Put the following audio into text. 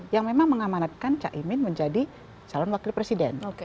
yang memang mengamanatkan cak imin menjadi calon wakil presiden